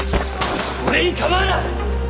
俺に構うな！